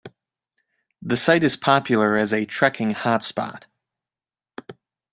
The site is popular as a "trekking hotspot".